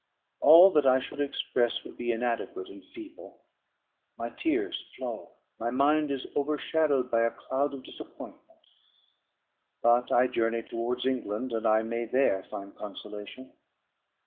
All that I should express would be inadequate and feeble. My tears flow; my mind is overshadowed by a cloud of disappointment. But I journey towards England, and I may there find consolation.